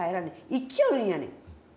生きよるんやねん。